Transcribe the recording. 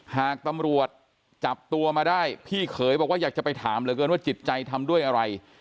หากตำรวจจับตัวมาได้พี่เขยบอกว่าอยากจะไปถามเหลือเกินว่าจิตใจทำด้วยอะไร